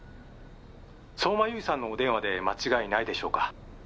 ☎相馬悠依さんのお電話で間違いないでしょうか？